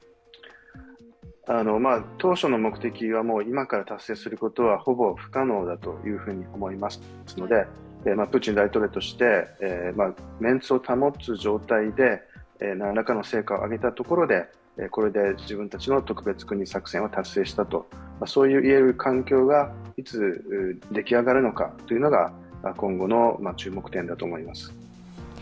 当初の目的は今から達成することはほぼ不可能だと思いますので、プーチン大統領としてメンツを保つ状態で何らかの成果を上げたところでこれで自分たちの特別軍事作戦を達成したと、そう言える環境がいつ、出来上がるのかというのが今後の注目点だと思います。